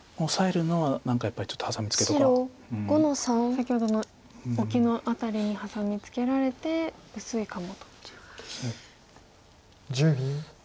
先ほどのオキの辺りにハサミツケられて薄いかもと。ということです。